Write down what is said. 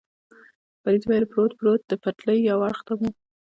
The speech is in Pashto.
فرید وویل: پروت، پروت، د پټلۍ یو اړخ ته مو.